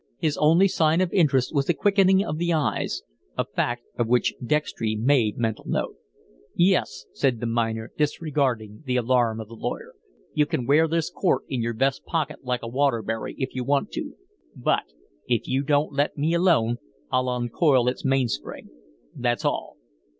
His only sign of interest was a quickening of the eyes, a fact of which Dextry made mental note. "Yes," said the miner, disregarding the alarm of the lawyer, "you can wear this court in your vest pocket like a Waterbury, if you want to, but if you don't let me alone, I'll uncoil its main spring. That's all."